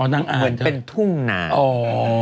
มันเป็นทุ่งนาน